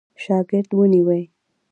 شاګرد ونیوی.